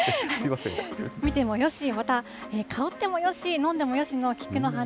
見てもよし、また香ってもよし、飲んでもよしの菊の花。